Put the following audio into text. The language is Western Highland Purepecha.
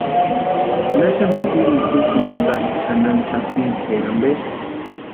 ¿Naxani jatiricha úxuni utasï chʼanani sapichaeri ampe?